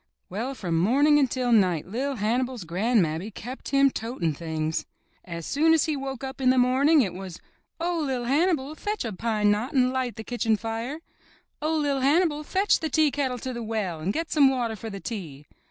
Well, from morning until night LiT Hannibal's gran'mammy kept him toting things. As soon as he woke up in the morning it was: '*0h, LiT Hannibal, fetch a pine knot and light the kitchen fire.'* ''Oh, LiT Hannibal, fetch the tea kettle to the well and get some water for the tea.'